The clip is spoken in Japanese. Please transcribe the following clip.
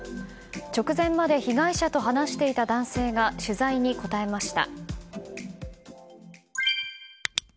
直前まで被害者と話していた男性が取材に応えました。